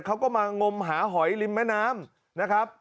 เขาก็มางมหาหอยริมแม่น้ำนะครับ